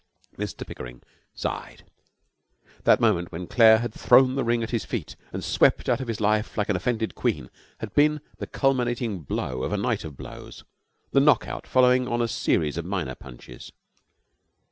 Mr Pickering sighed. That moment when Claire had thrown the ring at his feet and swept out of his life like an offended queen had been the culminating blow of a night of blows, the knock out following on a series of minor punches.